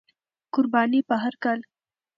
قرباني په هر کال،